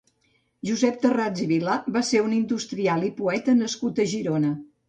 Josep Tharrats i Vilà va ser un industrial i poeta nascut a Girona.